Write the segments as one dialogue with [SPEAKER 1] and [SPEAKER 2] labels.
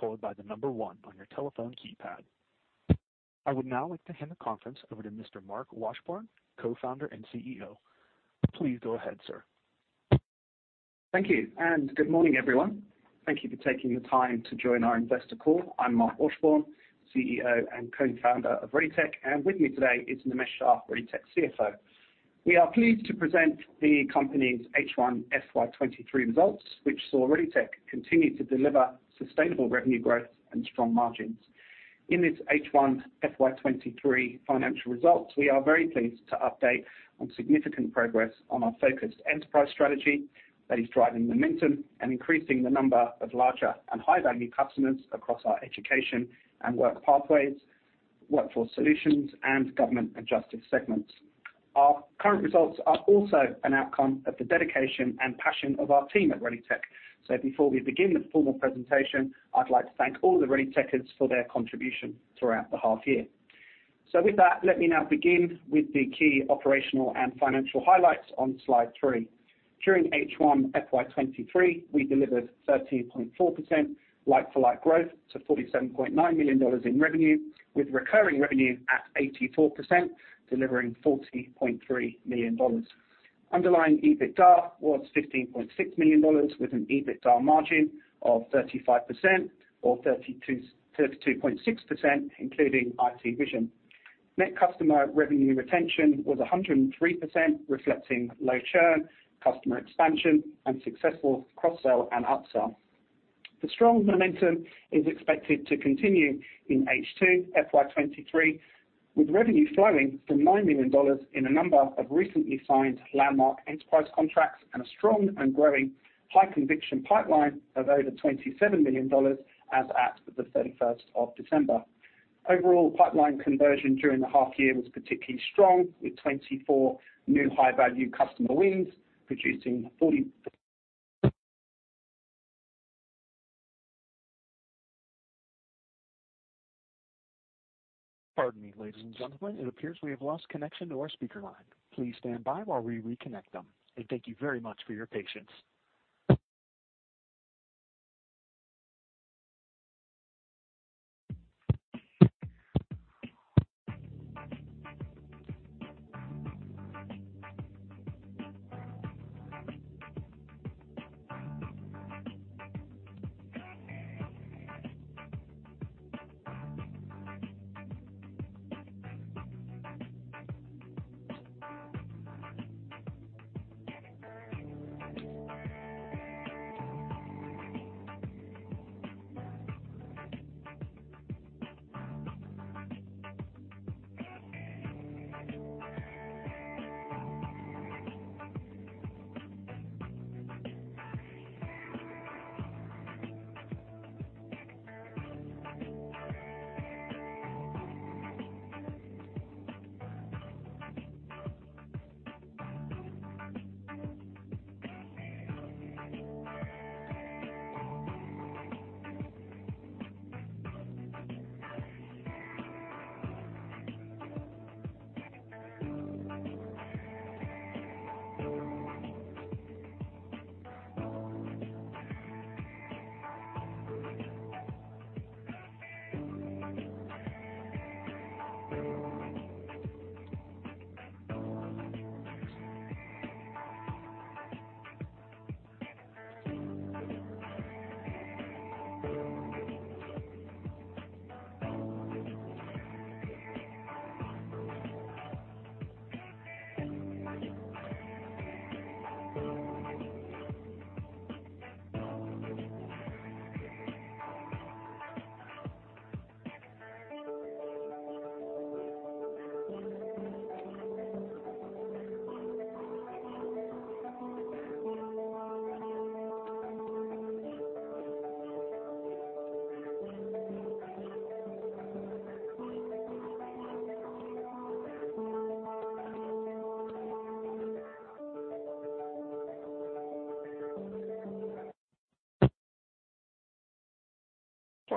[SPEAKER 1] Followed by the number one on your telephone keypad. I would now like to hand the conference over to Mr. Marc Washbourne, Co-founder and CEO. Please go ahead, sir.
[SPEAKER 2] Thank you. Good morning, everyone. Thank you for taking the time to join our investor call. I'm Marc Washbourne, CEO and Co-founder of ReadyTech, and with me today is Nimesh Shah, ReadyTech CFO. We are pleased to present the company's H1 FY23 results, which saw ReadyTech continue to deliver sustainable revenue growth and strong margins. In this H1 FY23 financial results, we are very pleased to update on significant progress on our focused enterprise strategy that is driving momentum and increasing the number of larger and high-value customers across our education and work pathways, workforce solutions, and Government and Justice segments. Our current results are also an outcome of the dedication and passion of our team at ReadyTech. Before we begin the formal presentation, I'd like to thank all the ReadyTechers for their contribution throughout the half year. With that, let me now begin with the key operational and financial highlights on slide three. During 1H FY23, we delivered 13.4% like-for-like growth to 47.9 million in revenue, with recurring revenue at 84%, delivering 40.3 million dollars. Underlying EBITDA was 15.6 million dollars with an EBITDA margin of 35% or 32.6% including IT Vision. Net customer revenue retention was 103%, reflecting low churn, customer expansion, and successful cross-sell and upsell. The strong momentum is expected to continue in H2 FY23, with revenue flowing from 9 million dollars in a number of recently signed landmark enterprise contracts and a strong and growing high conviction pipeline of over 27 million dollars as at the 31st of December. Overall, pipeline conversion during the half year was particularly strong, with 24 new high-value customer wins, producing forty-
[SPEAKER 1] Pardon me, ladies and gentlemen. It appears we have lost connection to our speaker line. Please stand by while we reconnect them, and thank you very much for your patience.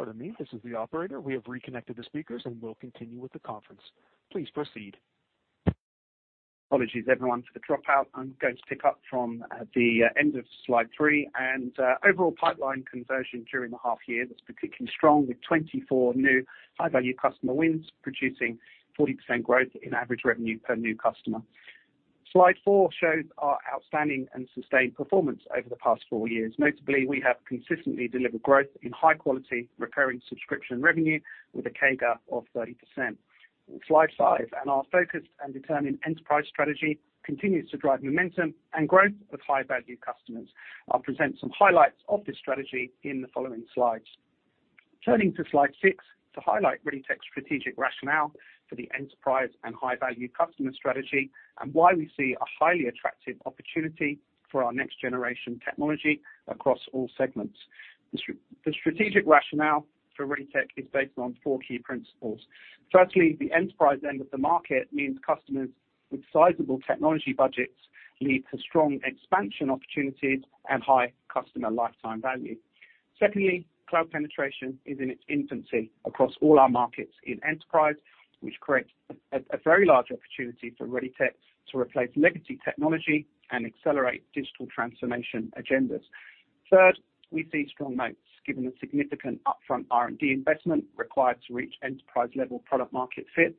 [SPEAKER 1] Pardon me. This is the operator. We have reconnected the speakers and will continue with the conference. Please proceed.
[SPEAKER 2] Apologies, everyone, for the dropout. I'm going to pick up from the end of slide three. Overall pipeline conversion during the half year was particularly strong, with 24 new high-value customer wins, producing 40% growth in average revenue per new customer. Slide four shows our outstanding and sustained performance over the past four years. Notably, we have consistently delivered growth in high quality recurring subscription revenue with a CAGR of 30%. Slide five. Our focused and determined enterprise strategy continues to drive momentum and growth of high-value customers. I'll present some highlights of this strategy in the following slides. Turning to slide six to highlight ReadyTech's strategic rationale for the enterprise and high-value customer strategy and why we see a highly attractive opportunity for our next-generation technology across all segments. The strategic rationale for ReadyTech is based on four key principles. Firstly, the enterprise end of the market means customers with sizable technology budgets lead to strong expansion opportunities and high customer lifetime value. Secondly, cloud penetration is in its infancy across all our markets in enterprise, which creates a very large opportunity for ReadyTech to replace legacy technology and accelerate digital transformation agendas. Third, we see strong moats given the significant upfront R&D investment required to reach enterprise-level product market fit.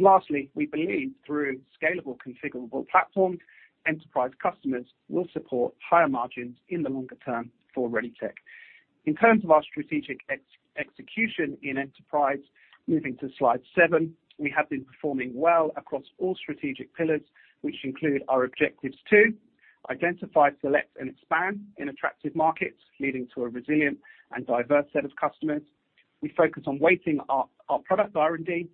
[SPEAKER 2] Lastly, we believe through scalable configurable platform, enterprise customers will support higher margins in the longer term for ReadyTech. In terms of our strategic ex-execution in enterprise, moving to slide seven, we have been performing well across all strategic pillars, which include our objectives to identify, select, and expand in attractive markets, leading to a resilient and diverse set of customers. We focus on weighting our product R&D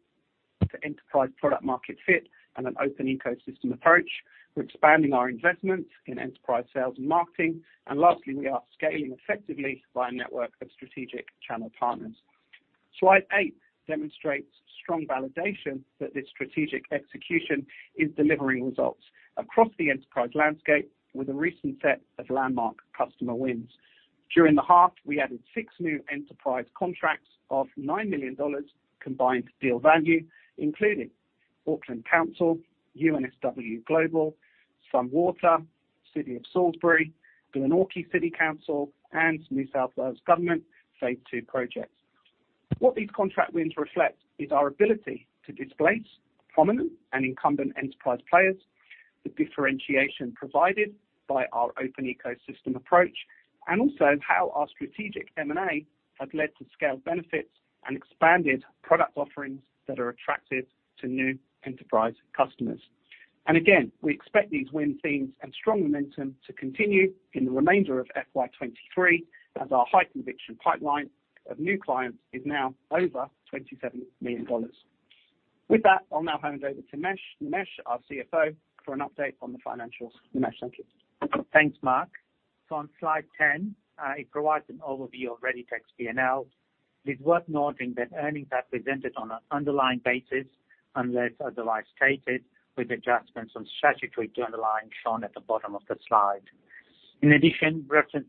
[SPEAKER 2] to enterprise product market fit and an open ecosystem approach. We're expanding our investment in enterprise sales and marketing. Lastly, we are scaling effectively via network of strategic channel partners. Slide 8 demonstrates strong validation that this strategic execution is delivering results across the enterprise landscape with a recent set of landmark customer wins. During the half, we added 6 new enterprise contracts of 9 million dollars combined deal value, including Auckland Council, UNSW Global, Sunwater, City of Salisbury, Glenorchy City Council, and New South Wales Government Phase two projects. What these contract wins reflect is our ability to displace prominent and incumbent enterprise players, the differentiation provided by our open ecosystem approach, and also how our strategic M&A had led to scaled benefits and expanded product offerings that are attractive to new enterprise customers. Again, we expect these win themes and strong momentum to continue in the remainder of FY23 as our high conviction pipeline of new clients is now over 27 million dollars. With that, I'll now hand over to Nimesh. Nimesh, our CFO, for an update on the financials. Nimesh, thank you.
[SPEAKER 3] Thanks, Marc. On slide 10, it provides an overview of ReadyTech's P&L. It is worth noting that earnings are presented on an underlying basis unless otherwise stated, with adjustments from statutory to underlying shown at the bottom of the slide. In addition, references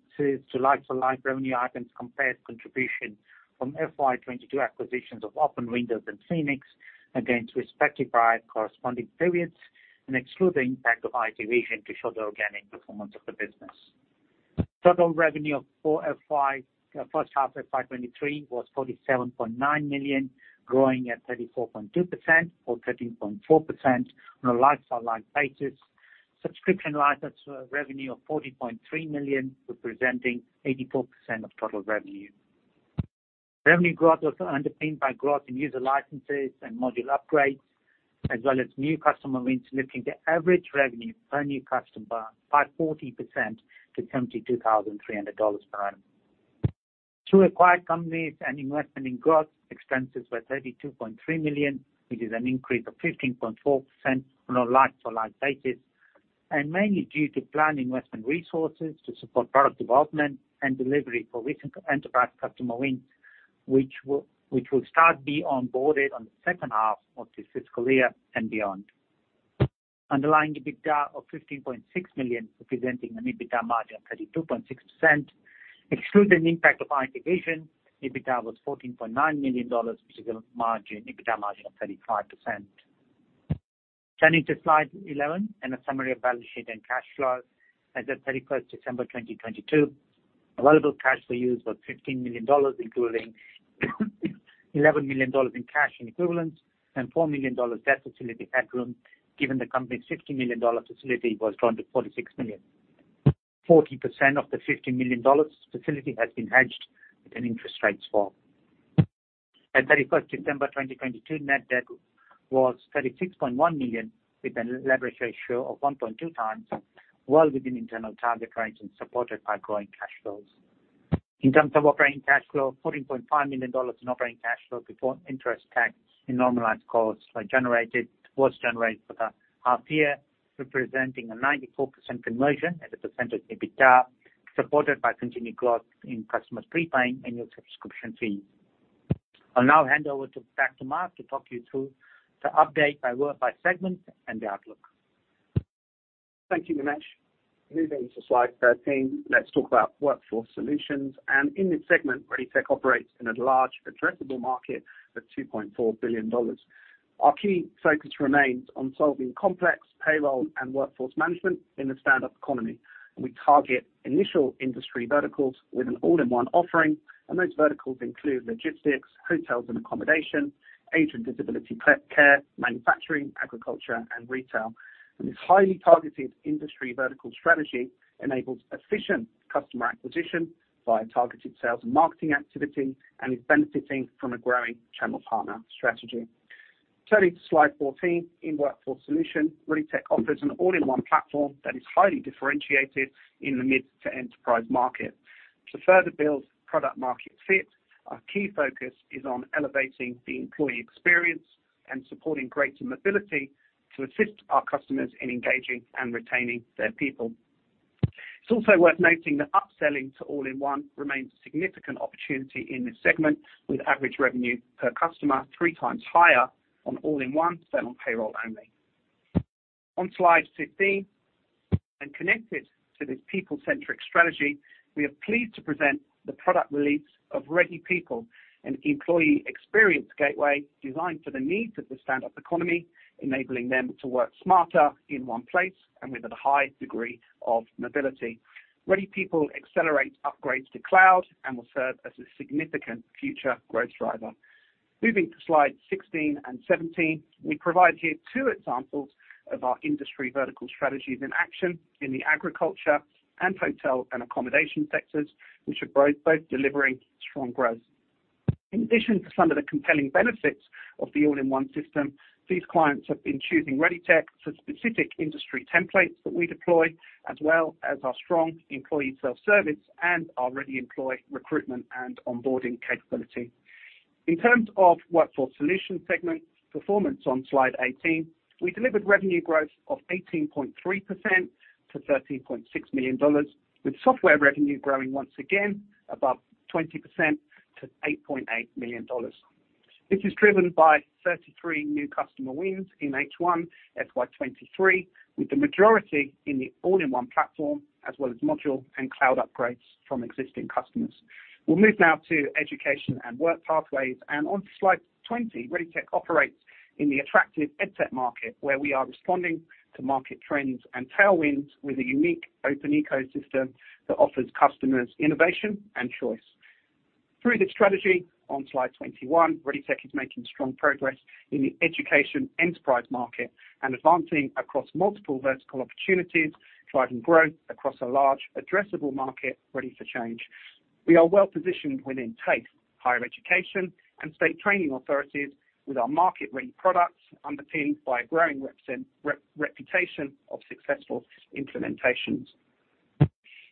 [SPEAKER 3] to like-for-like revenue items compared contribution from FY 2022 acquisitions of OpenWindows and PhoenixHRIS against respective prior corresponding periods and excludes the impact of IT Vision to show the organic performance of the business. Total revenue of H1 FY 2023 was 47.9 million, growing at 34.2% or 13.4% on a like-for-like basis. Subscription license revenue of 40.3 million, representing 84% of total revenue. Revenue growth was underpinned by growth in user licenses and module upgrades, as well as new customer wins, lifting the average revenue per new customer by 40% to 72,300 dollars per annum. Through acquired companies and investment in growth, expenses were 32.3 million, which is an increase of 15.4% on a like-for-like basis, and mainly due to planned investment resources to support product development and delivery for recent enterprise customer wins, which will start be onboarded on the second half of this fiscal year and beyond. Underlying EBITDA of 15.6 million, representing an EBITDA margin of 32.6%. Excluding the impact of IT Vision, EBITDA was 14.9 million dollars, which is an EBITDA margin of 35%. Turning to slide 11 and a summary of balance sheet and cash flows as of 31st December 2022. Available cash for use was 15 million dollars, including 11 million dollars in cash and equivalents and 4 million dollars debt facility headroom, given the company's 50 million dollar facility was drawn to 46 million. 40% of the 50 million dollars facility has been hedged with an interest rate swap. At 31st December 2022, net debt was 36.1 million with an leverage ratio of 1.2 times, well within internal target range and supported by growing cash flows. In terms of operating cash flow, 14.5 million dollars in operating cash flow before interest tax and normalized costs was generated for the half year, representing a 94% conversion as a percent of EBITDA, supported by continued growth in customers prepaying annual subscription fees. I'll now hand back to Marc to talk you through the update by segment and the outlook.
[SPEAKER 2] Thank you, Nimesh. Moving to slide 13, let's talk about Workforce Solutions. In this segment, ReadyTech operates in a large addressable market of 2.4 billion dollars. Our key focus remains on solving complex payroll and workforce management in the stand-up economy. We target initial industry verticals with an all-in-one offering, and those verticals include logistics, hotels and accommodation, aged and disability care, manufacturing, agriculture, and retail. This highly targeted industry vertical strategy enables efficient customer acquisition via targeted sales and marketing activity and is benefiting from a growing channel partner strategy. Turning to slide 14, in Workforce Solution, ReadyTech offers an all-in-one platform that is highly differentiated in the mid to enterprise market. To further build product market fit, our key focus is on elevating the employee experience and supporting greater mobility to assist our customers in engaging and retaining their people. It's also worth noting that upselling to all-in-one remains a significant opportunity in this segment, with average revenue per customer three times higher on all-in-one than on payroll only. On Slide 15, connected to this people-centric strategy, we are pleased to present the product release of Ready People, an employee experience gateway designed for the needs of the stand-up economy, enabling them to work smarter in one place and with a high degree of mobility. Ready People accelerate upgrades to cloud and will serve as a significant future growth driver. Moving to Slide 16 and 17, we provide here two examples of our industry vertical strategies in action in the agriculture and hotel and accommodation sectors, which are both delivering strong growth. In addition to some of the compelling benefits of the all-in-one system, these clients have been choosing ReadyTech for specific industry templates that we deploy, as well as our strong employee self-service and our ReadyEmployee recruitment and onboarding capability. In terms of Workforce Solutions segment performance on Slide 18, we delivered revenue growth of 18.3% to 13.6 million dollars, with software revenue growing once again above 20% to 8.8 million dollars. This is driven by 33 new customer wins in H2 FY23, with the majority in the all-in-one platform as well as module and cloud upgrades from existing customers. We'll move now to Education and Work Pathways. On Slide 20, ReadyTech operates in the attractive EdTech market, where we are responding to market trends and tailwinds with a unique open ecosystem that offers customers innovation and choice. Through this strategy on Slide 21, ReadyTech is making strong progress in the education enterprise market and advancing across multiple vertical opportunities, driving growth across a large addressable market ready for change. We are well-positioned within TAFE, higher education and state training authorities with our market-ready products underpinned by a growing reputation of successful implementations.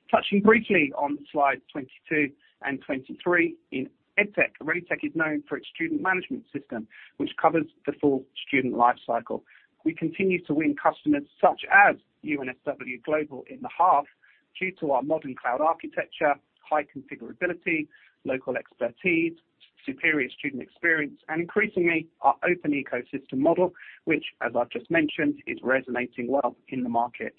[SPEAKER 2] Touching briefly on Slide 22 and 23, in EdTech, ReadyTech is known for its student management system, which covers the full student life cycle. We continue to win customers such as UNSW Global in the half due to our modern cloud architecture, high configurability, local expertise, superior student experience, and increasingly, our open ecosystem model, which, as I've just mentioned, is resonating well in the market.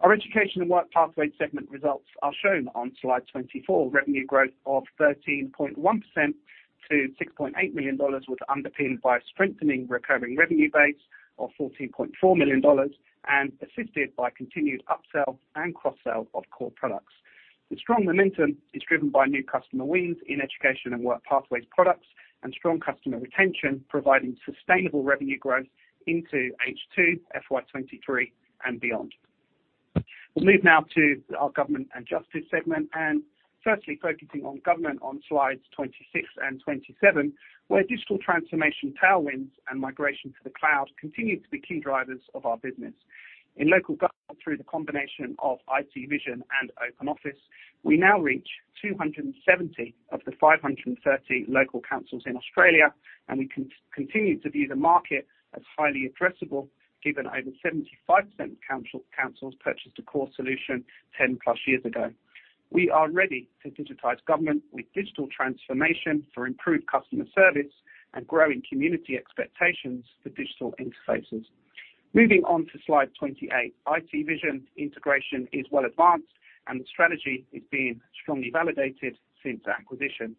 [SPEAKER 2] Our Education and Work Pathways segment results are shown on Slide 24. Revenue growth of 13.1% to 6.8 million dollars was underpinned by a strengthening recurring revenue base of 14.4 million dollars and assisted by continued upsell and cross-sell of core products. The strong momentum is driven by new customer wins in Education and Work Pathways products and strong customer retention, providing sustainable revenue growth into H2 FY23 and beyond. We'll move now to our Government and Justice segment, and firstly, focusing on government on Slides 26 and 27, where digital transformation tailwinds and migration to the cloud continue to be key drivers of our business. In local government, through the combination of IT Vision and Open Office, we now reach 270 of the 530 local councils in Australia. We continue to view the market as highly addressable, given over 75% of councils purchased a core solution 10+ years ago. We are ready to digitize government with digital transformation for improved customer service and growing community expectations for digital interfaces. Moving on to Slide 28, IT Vision integration is well advanced. The strategy is being strongly validated since acquisition.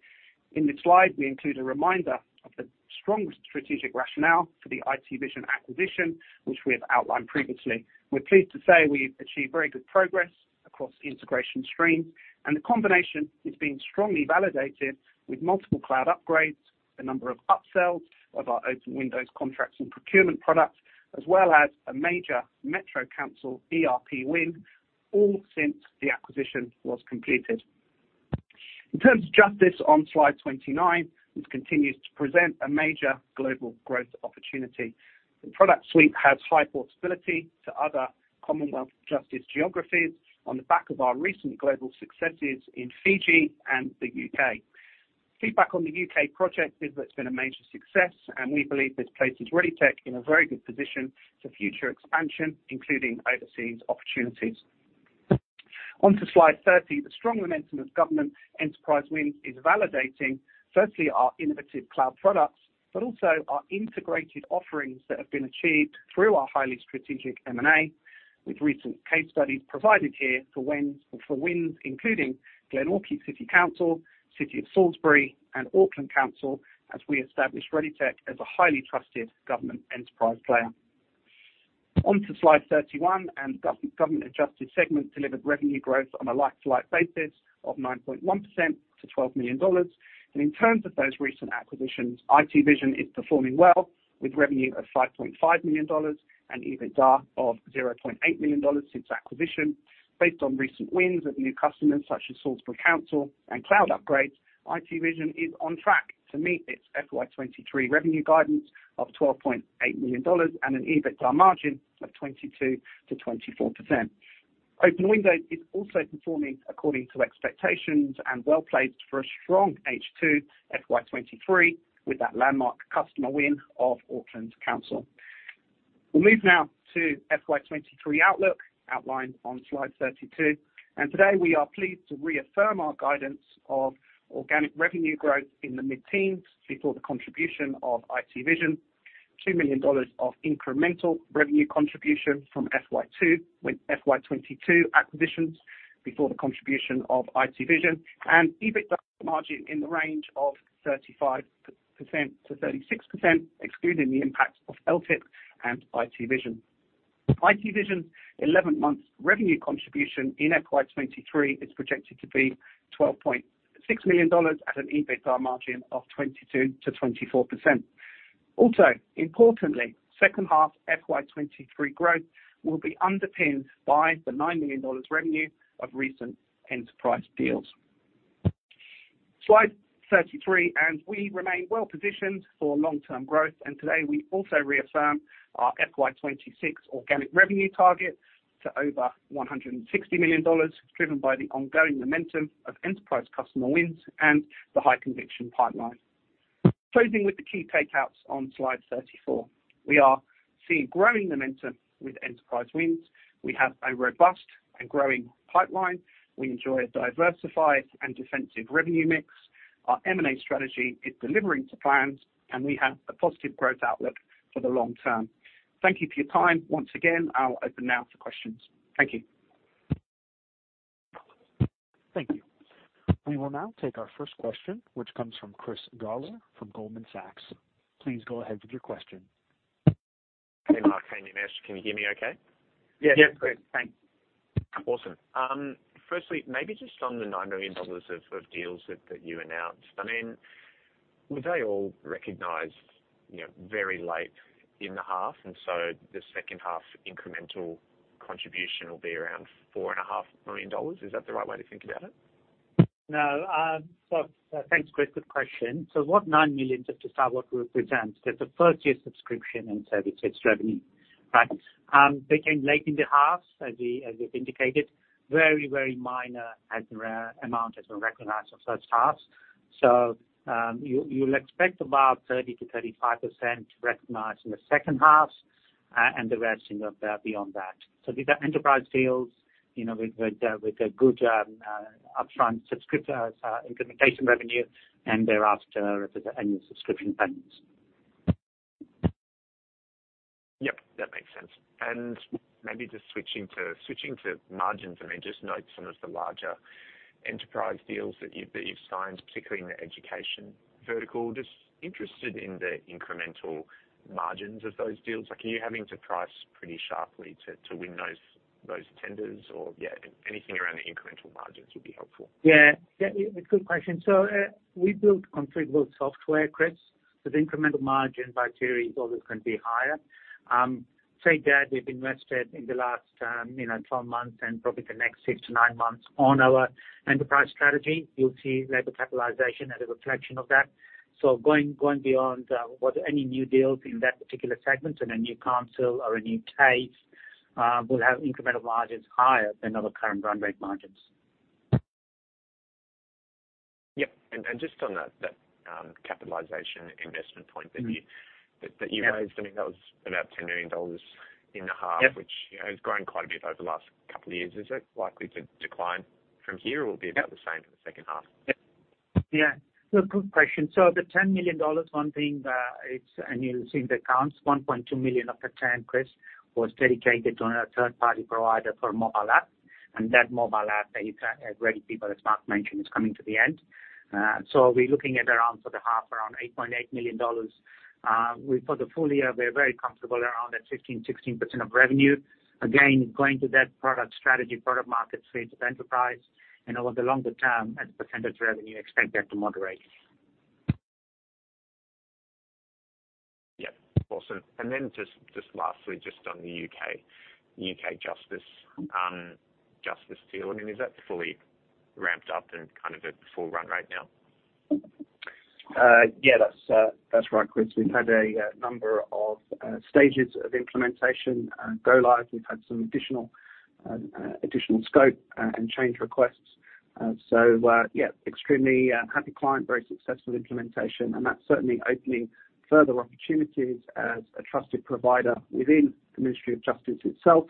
[SPEAKER 2] In this slide, we include a reminder of the strong strategic rationale for the IT Vision acquisition, which we have outlined previously. We're pleased to say we've achieved very good progress across the integration stream, and the combination is being strongly validated with multiple cloud upgrades, a number of upsells of our OpenWindows contracts and procurement products, as well as a major metro council ERP win, all since the acquisition was completed. In terms of Justice on Slide 29, this continues to present a major global growth opportunity. The product suite has high portability to other Commonwealth Justice geographies on the back of our recent global successes in Fiji and the U.K. Feedback on the U.K. project is that it's been a major success, and we believe this places ReadyTech in a very good position for future expansion, including overseas opportunities. On to Slide 30, the strong momentum of government enterprise wins is validating firstly our innovative cloud products, but also our integrated offerings that have been achieved through our highly strategic M&A, with recent case studies provided here for wins including Glenorchy City Council, City of Salisbury, and Auckland Council, as we establish ReadyTech as a highly trusted government enterprise player. On to Slide 31, Government and Justice segment delivered revenue growth on a like-for-like basis of 9.1% to 12 million dollars. In terms of those recent acquisitions, IT Vision is performing well, with revenue of 5.5 million dollars and EBITDA of 0.8 million dollars since acquisition. Based on recent wins of new customers such as Salisbury Council and cloud upgrades, IT Vision is on track to meet its FY23 revenue guidance of 12.8 million dollars and an EBITDA margin of 22%-24%. OpenWindows is also performing according to expectations and well-placed for a strong H2 FY23 with that landmark customer win of Auckland Council. We'll move now to FY23 outlook outlined on Slide 32. Today we are pleased to reaffirm our guidance of organic revenue growth in the mid-teens before the contribution of IT Vision, 2 million dollars of incremental revenue contribution from FY22 acquisitions before the contribution of IT Vision, and EBITDA margin in the range of 35%-36%, excluding the impact of LTIP and IT Vision. IT Vision 11 months revenue contribution in FY23 is projected to be 12.6 million dollars at an EBITDA margin of 22%-24%. Importantly, 2H FY23 growth will be underpinned by the 9 million dollars revenue of recent enterprise deals. Slide 33. We remain well positioned for long-term growth. Today, we also reaffirm our FY26 organic revenue target to over 160 million dollars, driven by the ongoing momentum of enterprise customer wins and the high conviction pipeline. Closing with the key takeouts on slide 34. We are seeing growing momentum with enterprise wins. We have a robust and growing pipeline. We enjoy a diversified and defensive revenue mix. Our M&A strategy is delivering to plans, and we have a positive growth outlook for the long term. Thank you for your time once again. I'll open now for questions. Thank you.
[SPEAKER 1] Thank you. We will now take our first question, which comes from Chris Gawler from Goldman Sachs. Please go ahead with your question.
[SPEAKER 4] Hey, Marc. Hey, Nimesh. Can you hear me okay?
[SPEAKER 2] Yes.
[SPEAKER 1] Yes, Chris.
[SPEAKER 4] Thanks. Awesome. firstly, maybe just on the 9 million dollars of deals that you announced. Were they all recognized, you know, very late in the half, and so the second half incremental contribution will be around four and a half million AUD? Is that the right way to think about it?
[SPEAKER 2] No. Thanks, Chris. Good question. What 9 million, just to start what represents, is the first-year subscription and services revenue, right? They came late in the half, as we've indicated, very, very minor amount has been recognized for first half. You'll expect about 30%-35% recognized in the second half, and the rest beyond that. These are enterprise deals, you know, with a good upfront implementation revenue and thereafter annual subscription payments.
[SPEAKER 4] Yep, that makes sense. Maybe just switching to margins. I mean, just note some of the larger enterprise deals that you've signed, particularly in the education vertical. Just interested in the incremental margins of those deals. Like are you having to price pretty sharply to win those tenders? Yeah, anything around the incremental margins would be helpful.
[SPEAKER 2] Yeah. Yeah, it's a good question. We built configurable software, Chris, with incremental margin by theory always going to be higher. Say that we've invested in the last, you know, 12 months and probably the next six to nine months on our enterprise strategy. You'll see labor capitalization as a reflection of that. Going beyond what any new deals in that particular segment and a new council or a new case will have incremental margins higher than our current run rate margins.
[SPEAKER 4] Yep. Just on that, capitalization investment point. That you raised.
[SPEAKER 2] Yeah.
[SPEAKER 4] I mean, that was about 10 million dollars in the half-
[SPEAKER 2] Yep.
[SPEAKER 4] which has grown quite a bit over the last couple of years. Is it likely to decline from here or will be about the same for the second half?
[SPEAKER 2] Yeah. Yeah. Good question. The 10 million dollars one thing, you'll see the accounts, 1.2 million of the 10 million, Chris, was dedicated to a third-party provider for mobile app. That mobile app that you Ready People, as Marc mentioned, is coming to the end. We're looking at around for the half, around 8.8 million dollars. For the full year, we're very comfortable around that 15%-16% of revenue. Again, going to that product strategy, product market fit of enterprise over the longer term as a percentage revenue, expect that to moderate.
[SPEAKER 4] Yep. Awesome. Then just lastly, just on the UK Justice deal, I mean is that fully ramped up and kind of at full run rate now?
[SPEAKER 2] Yeah, that's right, Chris. We've had a number of stages of implementation go live. We've had some additional additional scope and change requests. Yeah, extremely happy client, very successful implementation, and that's certainly opening further opportunities as a trusted provider within the Ministry of Justice itself,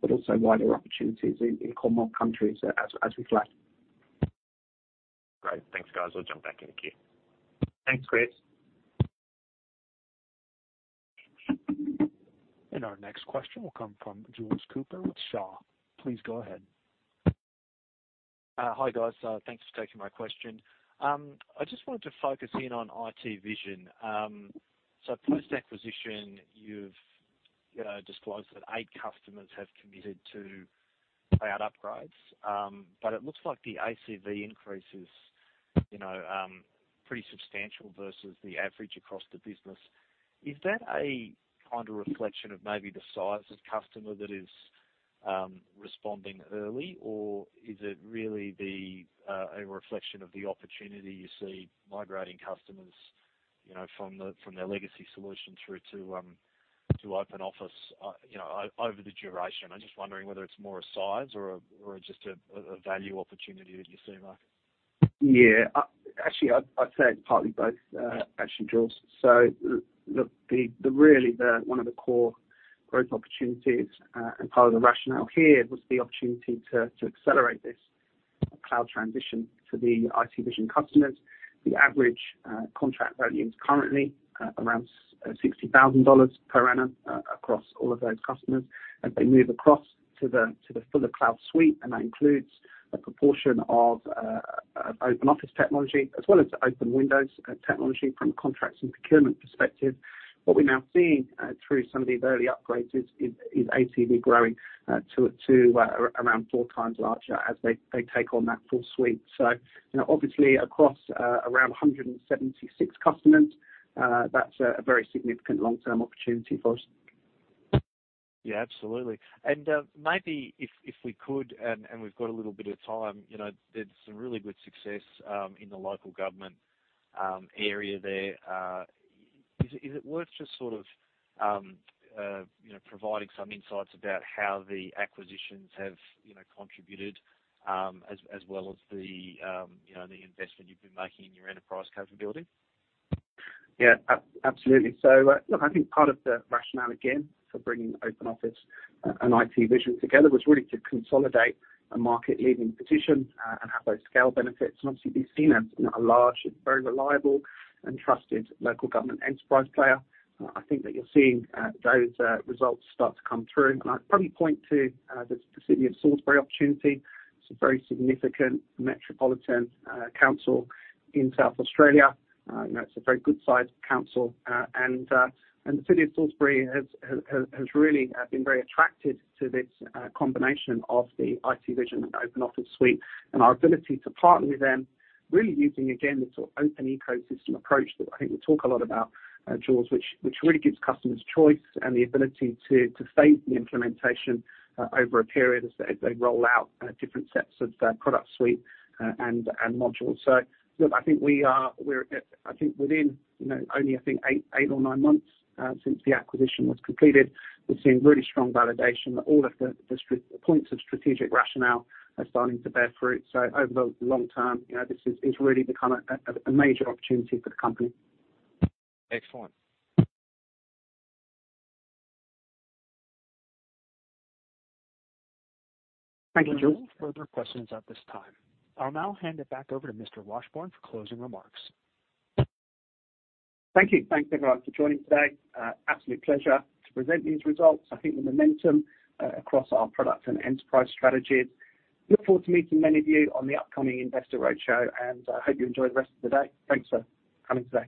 [SPEAKER 2] but also wider opportunities in Commonwealth countries as we flag.
[SPEAKER 4] Great. Thanks, guys. I'll jump back in the queue.
[SPEAKER 2] Thanks, Chris.
[SPEAKER 1] Our next question will come from Jules Cooper with Shaw. Please go ahead.
[SPEAKER 5] Hi, guys. Thanks for taking my question. I just wanted to focus in on IT Vision. Post-acquisition, you've disclosed that eight customers have committed to cloud upgrades, but it looks like the ACV increase is, you know, pretty substantial versus the average across the business. Is that a kind of reflection of maybe the size of customer that is responding early, or is it really a reflection of the opportunity you see migrating customers, you know, from their legacy solution through to Open Office, you know, over the duration? I'm just wondering whether it's more a size or just a value opportunity that you see, Marc.
[SPEAKER 2] Yeah. Actually, I'd say it's partly both, actually, Jules. The really one of the core growth opportunities and part of the rationale here was the opportunity to accelerate this cloud transition for the IT Vision customers. The average contract value is currently around 60,000 dollars per annum across all of those customers as they move across to the fuller cloud suite, and that includes a proportion of Open Office technology as well as Open Windows technology from a contracts and procurement perspective. What we're now seeing through some of these early upgrades is ACV growing to around 4 times larger as they take on that full suite. You know, obviously across, around 176 customers, that's a very significant long-term opportunity for us.
[SPEAKER 5] Yeah, absolutely. Maybe if we could, and we've got a little bit of time, you know, there's some really good success, in the local government, area there. Is it worth just sort of, you know, providing some insights about how the acquisitions have, you know, contributed, as well as the, you know, the investment you've been making in your enterprise capability?
[SPEAKER 2] Absolutely. Look, I think part of the rationale again, for bringing OpenOffice and IT Vision together was really to consolidate a market-leading position and have those scale benefits. Obviously be seen as, you know, a large, very reliable and trusted local government enterprise player. I think that you're seeing those results start to come through. I'd probably point to the City of Salisbury opportunity. It's a very significant metropolitan council in South Australia. You know, it's a very good sized council. The City of Salisbury has really been very attractive to this combination of the IT Vision Open Office suite and our ability to partner with them, really using again the sort of open ecosystem approach that I think we talk a lot about, Jules, which really gives customers choice and the ability to phase the implementation over a period as they roll out different sets of the product suite and modules. Look, I think we're at, within only eight or nine months since the acquisition was completed. We've seen really strong validation that all of the points of strategic rationale are starting to bear fruit. Over the long term, you know, this is really become a major opportunity for the company.
[SPEAKER 5] Excellent.
[SPEAKER 1] Thank you. No further questions at this time. I'll now hand it back over to Mr. Washbourne for closing remarks.
[SPEAKER 2] Thank you. Thanks, everyone, for joining today. Absolute pleasure to present these results. I think the momentum across our product and enterprise strategies. Look forward to meeting many of you on the upcoming Investor Roadshow. I hope you enjoy the rest of the day. Thanks for coming today.